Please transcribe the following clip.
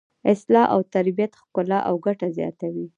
اصلاح او ترتیب ښکلا او ګټه زیاتوي.